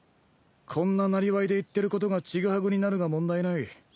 こんななりわいで言ってることがちぐはぐになるが問題ない。